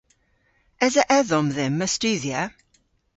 Esa edhom dhymm a studhya?